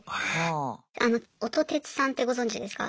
あの音鉄さんってご存じですか？